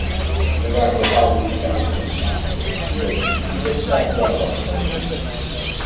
Er waren bepaalde irritaties ontstaan, omdat drie lidstaten bij elkaar gekomen zijn.